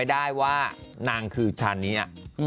พูดไว้ว่ายังเหมือนซี้